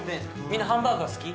みんなハンバーグは好き？